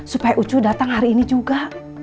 supaya ucu datang hari ini juga